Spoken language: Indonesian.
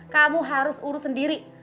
kamu harus urus sendiri